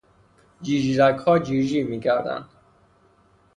جیرجیرکها جیرجیر میکردند.